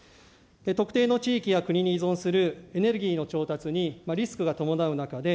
特定の地域や国に依存するエネルギーの調達にリスクが伴う中で、